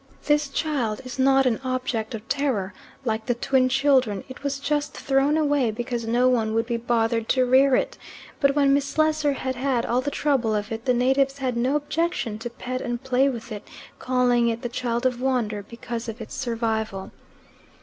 This child is not an object of terror, like the twin children; it was just thrown away because no one would be bothered to rear it, but when Miss Slessor had had all the trouble of it the natives had no objection to pet and play with it, calling it "the child of wonder," because of its survival.